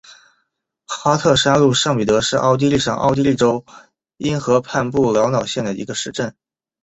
哈特山麓圣彼得是奥地利上奥地利州因河畔布劳瑙县的一个市镇。